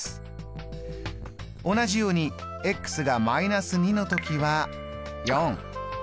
同じようにが−２の時は４。